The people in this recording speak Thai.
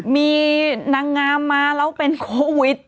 มีนางงามมาแล้วเป็นโควิด